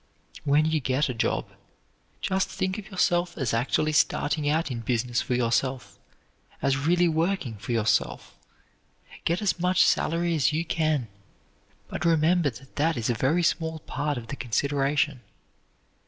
When you get a job, just think of yourself as actually starting out in business for yourself, as really working for yourself. Get as much salary as you can, but remember that that is a very small part of the consideration.